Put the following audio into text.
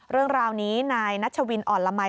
เรื่องราวนี้นายนัชวินอ่อนละมัย